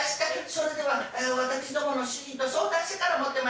それでは私どもの主人と相談してから持ってまいります。